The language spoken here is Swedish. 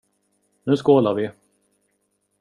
Nu skålar vi.